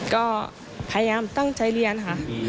ก็พยายามตั้งใจเรียนค่ะ